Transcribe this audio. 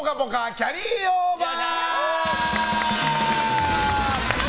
キャリーオーバー。